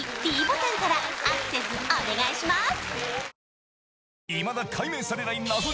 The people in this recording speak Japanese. ｄボタンからアクセスお願いします